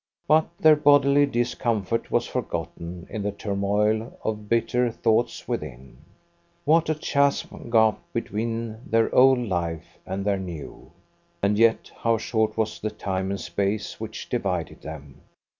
But their bodily discomfort was forgotten in the turmoil of bitter thoughts within. What a chasm gaped between their old life and their new! And yet how short was the time and space which divided them!